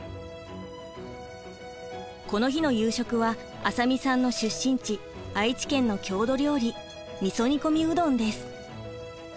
この日の夕食は浅見さんの出身地愛知県の郷土料理みそ煮込みうどんです。